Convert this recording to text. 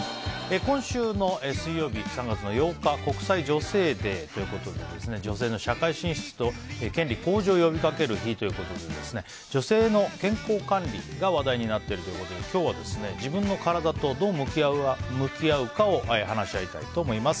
今週水曜日、３月８日国際女性デーということで女性の社会進出と権利向上を呼びかける日ということで女性の健康管理が話題になっているということで今日は自分の体とどう向き合うか話し合いたいと思います。